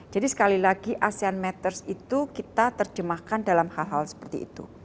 jadi sekali lagi asean matters itu kita terjemahkan dalam hal hal seperti itu